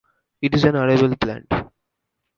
It is an arable plant.